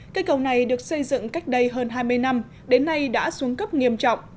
cây cầu này được xây dựng cách đây hơn hai mươi năm đến nay đã xuống cấp nghiêm trọng